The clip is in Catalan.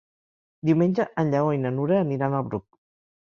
Diumenge en Lleó i na Nura aniran al Bruc.